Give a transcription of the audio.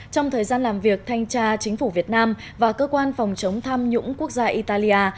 trong thời gian làm việc thanh tra chính phủ việt nam và cơ quan phòng chống tham nhũng quốc gia italia